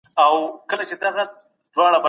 زه ښه ځوان یم.